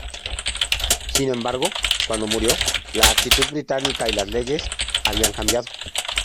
Sin embargo, cuando murió, la actitud británica y las leyes habían cambiado.